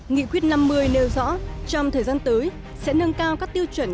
nghị quyết năm mươi nêu rõ trong thời gian tới sẽ nâng cao các tiêu chuẩn